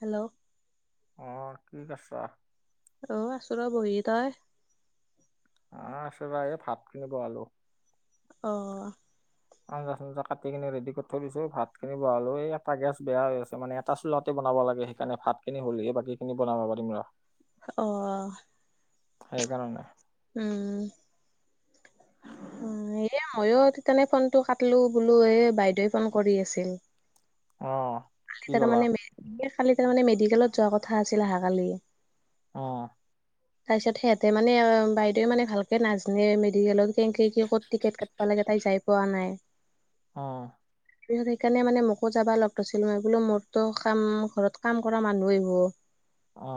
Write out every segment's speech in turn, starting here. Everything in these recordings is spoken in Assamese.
হেল্ল'! অ, কি কৰচা? অ, আছো ৰ বহি। তই? অ, আছে ৰ'বা, এই ভাত খিনি বহালো। অ। আঞ্জা-চাঞ্জা কাটি কিনে ৰেডি কৰি থৈ দিছো, ভাত খিনি বহালো, এই এটা গেছ বেয়া হৈ আছে মানে। এটা চোলাহতে বনাব লাগে সেইকাৰণে, ভাতখিনি হ'লে বাকীখিনি বানাব পাৰিম। অ। সেই কাৰণে। উম। উম, এ মইও সেইকাৰণে ফোনটো কাটিলো, বোলো, এ বাইদেৱে ফোন কৰি আছিল। অ। কালি কি তাৰ কলা মানে এ, কালি তাৰ মানে মেডিকেলত যোৱা কথা আছিল অহাকালি। অ। [inaudible] তাৰ পিছত, সিহঁতে মানে বাইদেৱে ভালকে নাজানেয়ে মেডিকেলত কেনেকে ক'ত টিকেট কাট লাগে, তাইক যাই পোৱা নাই। অ। [unintelligible] সেইকাৰণে মান মোকো যাবা লগ ধৰিছিল। [unintelligible] মোৰ বোলো, মোৰতো কাম ঘৰত কাম কৰা মানুহে আহিব। অ।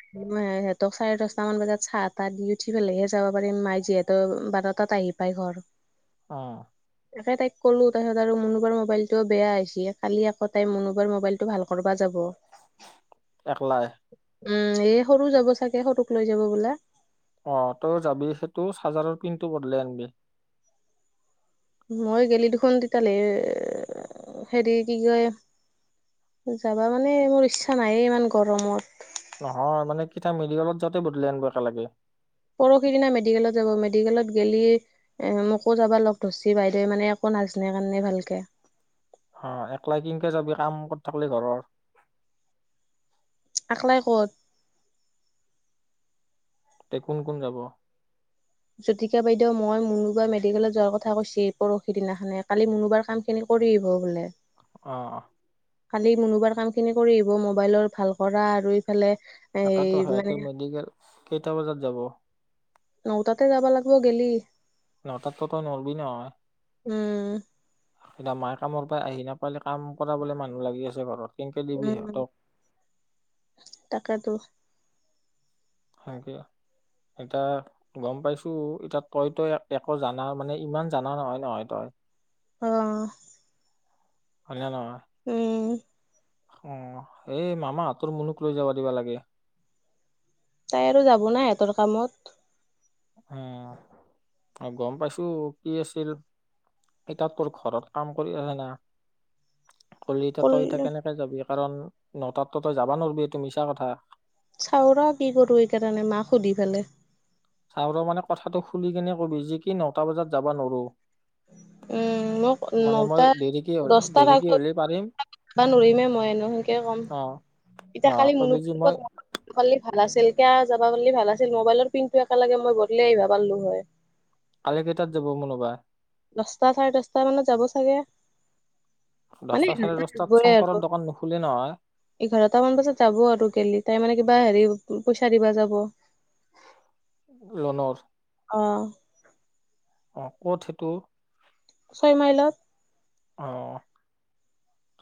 [inaudible] সিহঁতক চাৰে দচটা মান বজাত চাহ তাহ দি উঠি পেলাইহে যাব পাৰিম মাই যিয়ে ত বাৰটাত আহি পাই ঘৰ। অ। তাকে তাইক কলো তপিছত আৰু মনোবাৰ মোবাইল টো বেয়া হৈছে কালি আক তাই মূনোবৰ মোবাইলটো ভাল কৰিবা যাব। একলাই। উম এ সৰু যাব চাগে সৰুক লৈ যাব বোলে। অ তও যাবি সেইটো চাৰ্জাৰৰ পিনটো বদলাই আনিবি। মই গেলি দেখোন তেতালে হেৰি কি কয় যাবা মানে মোৰ ইচ্ছা নায়ে ইমান গৰমত। নহয় মানে কীতা মেডিকেলত যাওঁতে বদলাই আনিব একে লাগে। পৰহি দিনা মেডিকেলত যাব মেডিকেলত গেলি এ মোকো যাবা লগ ধৰিছি বাইদেউে মানে একো নাজানে কাৰণে ভালকে। অ একলা কিনকে যাবি কাম কত থাকিলি ঘৰ। একলাই ক'ত। তে কোন কোন যাব। জুতিকা বাইদেউ, মই, মুনু বা মেডিকেলত যোৱাৰ কথা কৈছি পৰহি দিনাখনে কালি মুনুবাৰ কাম খিনি কৰি আহিব বোলে। অঁ। কালি মোনোবাৰ কাম খিনি কৰি আহিব মোবাইলৰ ভাল কৰা আৰু এইফালে। তাকেতো সিহঁতে মেডিকেল কেইটা বজাত যাব। ন তাতে যাব লাগিব গেলি। নটাত ত ত নলবি নহয়। উম এতিয়া মাই কামৰ পৰা আহি নাপালে কাম কৰাবলৈ মানুহ লাগি আছে ঘৰত। কেনেকে দিবি উম সিহঁতক তাকেটো। তাকে এতা গম পাইছো এতিয়া তইতো একো জানা মানে ইমান জানা নহয় নহয় তই। অ। হয়না নহয়। উম। অ এই মামাহঁতৰ মুনুক লৈ যাব দিবা লাগে। তাই আৰু যাব নাই এতৰ কামত। উম গম পাইছো কি আছিল। এ তাত তোৰ ঘৰত কাম কৰি আছে না। কৰিলি কল তই এতিয়া কেনেকে যাবি কাৰণ ন তাত তো তই যাবা নোৱাৰবি এইটো মিছা কথা। চাওঁ ৰ কি কৰোঁ এইকাৰণে মাক সুধি পেলাই। চাও ৰ মানে কথাটো খুলি কেনে কবি যি কি নটা বজাত যাব নোৱাৰো। উম মোক মানে নটা মই দেৰিকে হলে দেৰিকে হ'লে পাৰিম। বা নৰিমে মই [inaudible] নেকে কম অ অ এতিয়া কালি মুন কবি যি মই যাব পাৰি ভাল আছিল কিয় যাব পাৰিলি ভাল আছিল মোবাইলৰ পিনটো একেলগে মই বদলি আহিব পৰিলোঁ হয়। কালি কেইটাত যাব মুনো বা। দচটা চাৰে দছটা মানত যাব চাগে। মানে দহটা চাৰে এঘাৰটা দহটাত বাজবই আৰু শংকাৰৰ দোকান নুখোলে নহয়। এঘাৰটামান বজাত যাব আৰু গেলি তাই মানে কিবা হেৰি পইচা দিব যাব। লোনৰ? অ অ ক'ত সেইটো ছয় মাইলত অ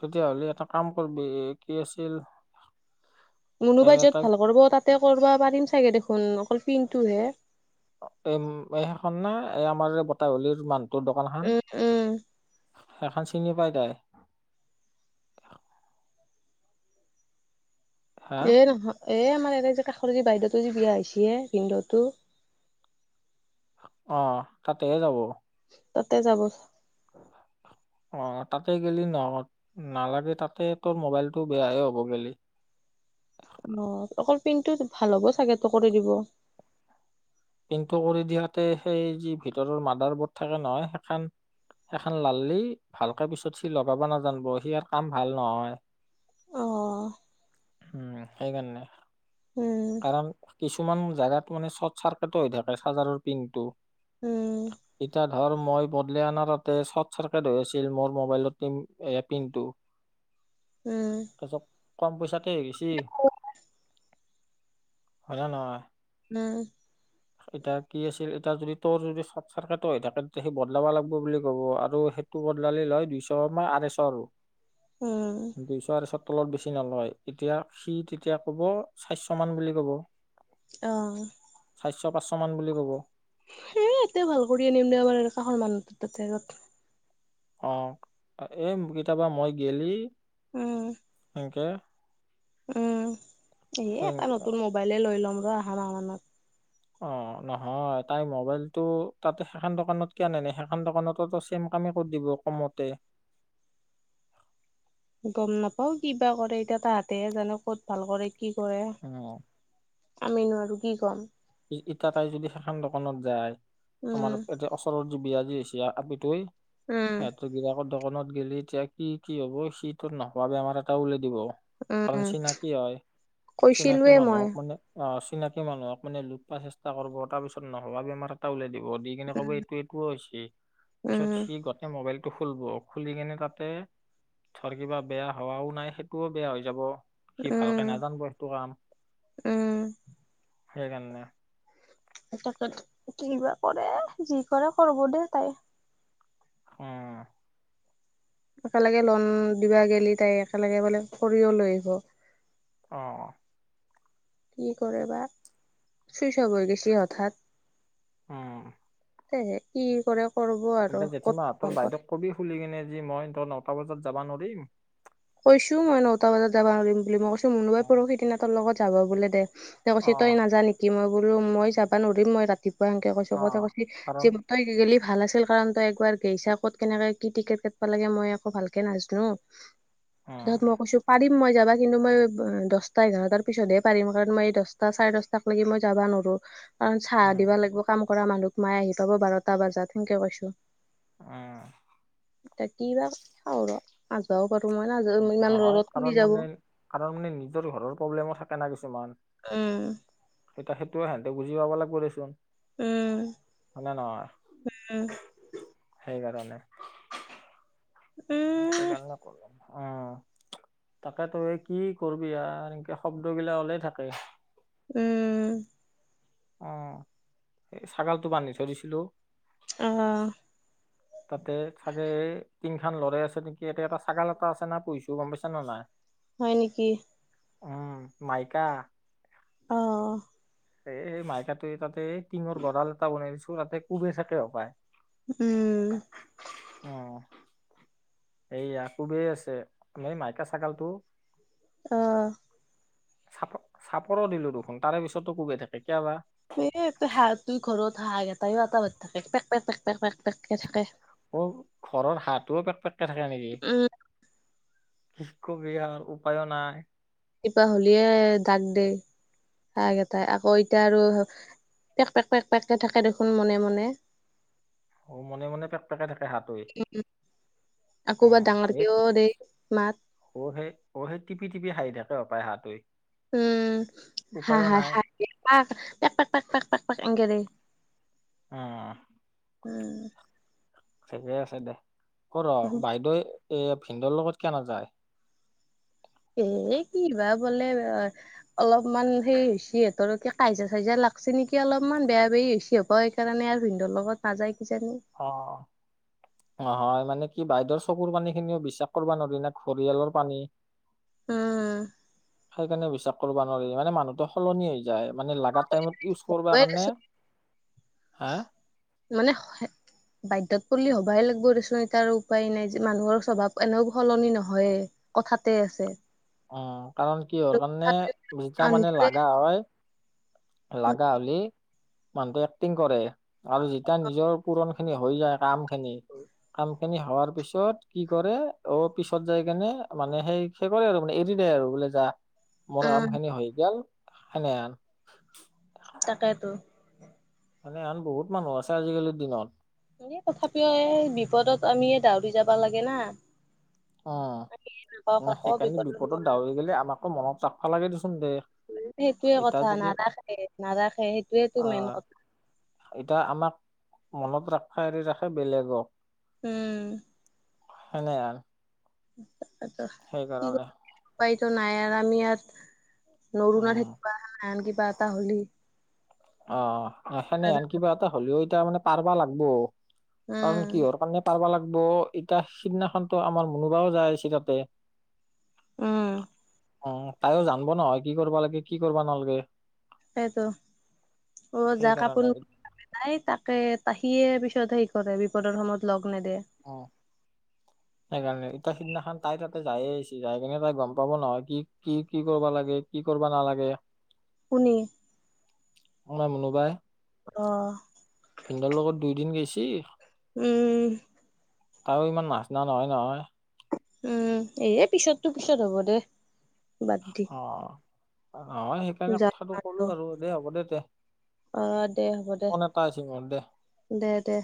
তেতিয়াহ'লে এটা কাম কৰিব কি আছিল এ মোনোবাই য'ত তাক ভাল কৰিব তাতে কৰিবা পাৰিম চাগে দেখোন অকল পিনটো হে এ এই সেইখন না এই আমাৰ এই বতাহলীৰ মানটোৰ দোকান খন উম উম সেইখন চিনি পাই তাই হা এ নহয় এ আমাৰ এনে যে কাষৰ যে বাইদেউতো যে বিয়া হৈছে ভিদুটো অ তাতেহে যাব তাতে যাব [unintelligible] অ তাতে গেলি নহ নালাগে তাতে তোৰ মোবাইলটো বেয়াহে হ'ব গেলি অ অকল পিনটো ভাল হ'ব চাগেটো কৰি দিব পিনটো কৰি দিয়াতে সেই যি ভিতৰৰ মডাৰ বৰ্ড থাকে নহয় সেইখন সেইখন লালি ভালকে পিছত সি লগাব নাজানিব হিয়াৰ কাম ভাল নহয় অ উম সেইকাৰণে উম কাৰণ কিছুমান জেগাত মানে চট চাৰ হৈ থাকে চাৰ্জাৰৰ পিংকটো উম এতিয়া ধৰ মই বদলি অনাৰ তাতে চৰ্ট চাৰ্কিট হৈ আছিল মোৰ মবাইলত পিন এ পিনটো উম কেছব কম পইচাতে হৈ গেলি হয় না নহয় উম এতিয়া কি আছিল এতিয়া যদি তোৰ যদি চৰ্ট চাৰ্কিটো হৈ থাকে তেতিয়া সি বদলাবা লাগিব বুলি ক'ব আৰু সেই টো বদলালি লয় দুইশ মই আৰৈশ আৰু উম দুইশ আৰৈশ তলত বেছি নলয় এতিয়া সি তেতিয়া কব চাৰিশমান বুলি কব অহ চাৰিশ পাঁচশ মান বুলি কব সেই এতে ভাল কৰি আনিম দে আমাৰ কাষৰ মানুহটো তাতে আগত অ এই কেতিয়াবা মই গেলি উম সেনকে উম এ এটা সেনকে নতুন মোবাইলে লৈ ল'ম ৰ অহা মাহ মানত অ নহয় তাই মোবাইলটো তাতে সেইখন দোকানত কিয় আনে ন সেইখন দোকানতো চেম কামেই কৰি দিব কমতে গম নাপাও কিবা কৰে এতিয়া তাহাতেহে জানে ক'ত ভাল কৰে কি কৰে উম আমি নোৱাৰোঁ কি ক'ম ইটা তাই যদি সেইখন দোকানত যায় আমাৰ উম এতিয়া ওচৰত যি বিয়াজি হৈছে আপিতোৱে উম সিহঁত বিলাকৰ দোকানত গেলি এতিয়া কি কি হব সি টোৰ নোহোৱা বেমাৰ এটা উওলাই দিব কাৰণ উম চিনাকি হয় চিনাকি কৈছিলোয়ে মই মানুহক মানে অ' চিনাকি মানুহক মানে লোপ পোৱা চেষ্টা কৰিব, তাৰপিছত নোহোৱা বেমাৰ এটা উলাই দিব, দি কিনে ক'ব উম এইটো এইটোও হৈছে পিছত উম সি গোটেই মোবাইল টো খুলব খুলি কেনে তাতে ধৰ কিবা বেয়া হোৱাও নাই সেইটোও বেয়া হৈ যাব সি ভালকে উম নাজানিব সেইটো কাম। উম হেইকাৰানে। এ কিবা কৰে যি কৰে কৰিব দেই তাই। অ'। একেলগে লোন দিবা গেলি তাই একেলগে বোলে খৰিয়ো লৈ আহিব। অ', অ। কি কৰে বা? চুইচ অফ হৈ গেছি হঠাৎ। অ'। তেহে কি কৰে কৰব আৰু এতিয়া ক'ত জেঠীমাহঁতৰ ভাল বাইদেউক কৰে কবি খুলি কেনে, যে মই তুৰ ন'টা বজাত যাবা নৰিম। কৈছোঁ মই নটা বজাত যাব নোৱাৰিম বুলি, মই কৈছোঁ মুনুবাই অ' পৰশি দিনা তুৰ লগত যাব বোলে দে। তেতিয়া কৈছি তই নাযা নেকি? মই বোলো মই যাবা নৰিম, মই ৰাতিপুৱা সেনকে কৈছি, কওঁতে অ' কাৰণ কৈছি তই গেলি ভাল আছিল, কাৰণ তই একবাৰ গেইছা, ক'ত কেনেকে কি টিকেট কাটিব লাগে, মই একো ভালকে নাজনো। উম তাৰপিছত মই কৈছোঁ পাৰিম মই যাবা। কিন্তু মই দশটা এঘাৰটাৰ পিছতহে পাৰিম, কাৰণ মই দশটা চাৰে দশটা টাক লাগি মই যাবা নৰো। কাৰণ চাহ উম দিবা লাগব কাম কৰা মানুহোক, মাই আহি পাব বাৰটা বাজাত সেনকে কৈছোঁ। উম। তে কি বা কৰোঁ ৰ, নাযবাও পাৰোঁ। নহয় কাৰণ মানে, কাৰণ মানে নিজৰ ঘৰৰ প্ৰব্লেমো থাকে না কিছুমান। উম। এতিয়া সেটোও সেঁহেতে বুজি পাব লাগব দেচোন। উম, হয়নে নহয়? উম, সেইকাৰণে। উম, সেইকাৰণে কৰলোঁ। উম, তাকেটো এই কি কৰবি আৰ এনেকে শব্দগিলা ওলাই থাকে। উম। উম, সেই ছাগালটো বান্ধি থৈ দিছিলোঁ উম। তাতে ছাগে এই টিং খান লৰাই আছে নেকি? ইয়াতে এটা ছাগাল এটা আছে না, পোহিছোঁ গ'ম পাইছানা নাই? হয় নেকি? উম, মাইকা। অ'। এ এই মাইকাটোৱে তাতে টিঙৰ গঁড়াল এটা বনাই দিছোঁ, তাতে কোবে থাকে হ'ব পায়। উম। অ'। এইয়া কোবেই আছে, এই মাইকা ছাগালটো। অ'। চাপৰ চাপৰো দিলোঁ দেখোন, তাৰে পিছতো কোবেই থাকে কিয়া বা? এ ইয়াতে হাঁহতুই ঘৰত হাঁহ গেটাইও আটা পৰি থাকে, পেক, পেক, পেক পেক, পেক, পেককে। থাকে। অ' ঘৰৰ হাঁহোও পেক পেককে থাকে নেকি? উম, কি কবি আৰ উপায়ো নাই। ৰাতিপুৱা হলিয়ে দাগ দে, হাঁহ গেটাই, আকৌ এতিয়া আৰুহ পেক, পেক, পেক, পেককে থাকে দেখোন মনে, মনে। অ', মনে-মনে পেক-পেকাই থাকে হাঁহটোই। অ আকোবাৰ ডাঙৰ সেই কেও দেই, মাত। অ', হেই, অ'হেই টিপি-টিপি হাঁহি থাকে হ'ব পায় হাঁহটোই। উম, হা, উপায়ো হায়, নাই হাঁহি পাক, পেক, পেক, পেক, পেক, পেক, পেক এনকে দেই। উম। উম। ঠিকে আছে দেহ, ও'ৰ উম, অ', বাইদেউ এ ভিনদোৰ লগত কিয় নাযায়? এই কি বা বলে অলপমান সেই হৈছি সিহঁতৰ, কিবা কাইজিয়া-চাইজিয়া লাগছি নেকি? অলপমান বেয়া বেই হৈছি হ'ব পায়। সেইকাৰণে আৰু ভিনদোৰ লগত নাযায় কিজানি। অ'। অ', হয় মানে কি বাইদেৰ চকুৰ পানী খিনিও বিশ্বাস কৰিব নোৱাৰি না ঘৰিয়ালৰ পানী। উম সেইকাৰণে বিশ্বাস কৰিব নোৱাৰি মানে মানুহতো সলনি হৈ যায় মানে লাগ গ, টাইমত ইউজ কৰিব হয়ে কাৰণে দেচোন হা মানে বাধ্যত পৰিল হবাই লাগিব দেচোন এ, তাৰ উপায় নাই যে মানুহৰ স্বভাৱ এনেও সলনি নহয়। কথাতে আছে। উম, কাৰণ কিহৰ কাৰণে জিতা মানে নিজৰে লাগা হয়। লাগা হলে মানুহটো এক্টিং কৰে আৰু যেতিয়া নিজৰ পুৰণ খিন হৈ যায় কাম খিনি ক সিনি হোৱাৰ পিছত কি কৰে ও পিছত যাই কেনে মানে সেই সে, কৰে আৰু। এৰি দে আৰু বোলে যা মোৰ কাম উম খিনি হৈ গ'ল সেনেহান। তাকেইতো। সেনেহান বহুত মানুহ আছে আজিকালিৰ দিনত। এ, তথাপিও এই বিপদত আমি দাউৰি যাবা লাগে না। উম, আমি নাপাওঁ কাকো সেইকাৰণে বিপদৰ বিপদত সময়ত দাউৰি গেলি আমাকো মনত ৰাখাবা, লাগে, দেচোন দে। সেইটোয়ে এতিয়া কথা যদি নাৰাখে, নাৰাখে, সেইটোয়েটো মেইন আহ কথা। এতিয়া আমাক মনত ৰক্ষা এৰি ৰাখে বেলেগক উম। সনেহান। ত, কি, কৰ, উপায়তো নাই আৰু আমি আৰু নৰু, উম নেবা, নন, কিবা এটা হ'লি অ', সেনেহান কিবা এটা হ'লেও এতিয়া মানে পাৰবা লাগব কাৰণ উম কিহৰ কাৰণে পাৰবা লাগব এতিয়া সিদিনাখনতো আমাৰ মোনোবাও যায় আছে তাতে। উম। অ', তাইও জানব নহয় কি কৰিব লাগে, কি কৰিব নালাগে। সেইটো অ', যা, কাপোৰ সেইকাৰণে নাই তাকে তাহিয়ে পিছত হে, কৰে, বিপদৰ সময়ত লগ নেদে। অ'। উ। সেইকাৰণে ইতিৰ সিদিনাখন তাই তাতে যায়ে আহিছে যাই কিনে তাই গ'ম পাব নহয় কি, কি, কি, কৰিবা লাগে। কি কৰিব নালাগে। কোনি। আমাৰ মুনু বাই। অ'। সিহঁতৰ লগত দুইদিন গেইছি। উম। আৰু ইমান নাজনা নহয় নহয়। উম, এ পিছতটো, পিছত হ'ব দে। বাদ দি অ', অ', সেই তেনে যা কথাটো ক'লোঁ আৰু, দেই হ'ব দে, দে, অ দে হ'ব দে ফোন এটা আহছে মোৰ, দে। দে, দে।